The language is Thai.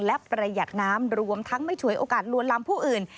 และประหยัดน้ำรวมทั้งไม่ฉวยโอกาสลวนลำผู้อื่น